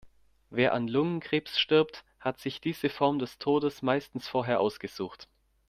Wer an Lungenkrebs stirbt, hat sich diese Form des Todes meistens vorher ausgesucht.